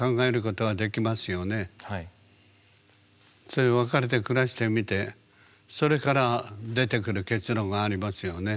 それで別れて暮らしてみてそれから出てくる結論がありますよね。